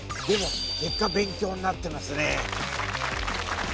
でも結果勉強になってますね！